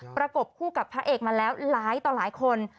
ประกบคู่กับพระเอกมาแล้วหลายต่อหลายคน